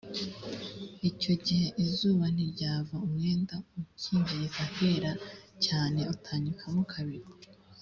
icyo gihe izuba ntiryava umwenda ukingiriza ahera cyane utanyukamo kabiri